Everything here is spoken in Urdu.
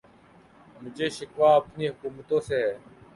مجھے شکوہ اپنی حکومتوں سے ہے